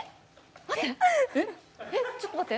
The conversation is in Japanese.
え、ちょっと待って。